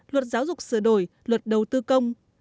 luật giáo dục sửa đổi luật đầu tư công